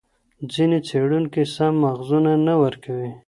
ځیني څېړونکي سم ماخذونه نه ورکوي.